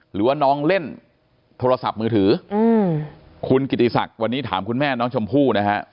หรือว่าน้องเล่นโทรศัพท์มือถือคุณกิติศักดิ์วันนี้ถามคุณแม่น้องชมพู่นะฮะ